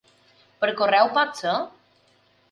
Per correu pot ser?